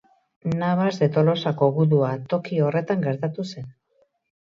Navas de Tolosako gudua toki horretan gertatu zen.